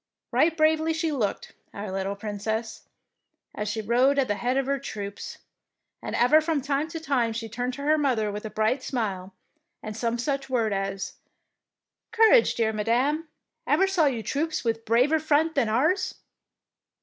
Right bravely she looked, our little Princess, as she rode at the head of her troops, and ever from time to time she turned to her mother with a bright smile, and some such word as —'' Courage, dear Madame, ever saw you troops with braver front than ours